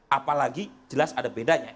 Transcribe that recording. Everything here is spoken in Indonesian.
apalagi jelas ada bedanya